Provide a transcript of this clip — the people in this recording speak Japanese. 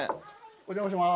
お邪魔します。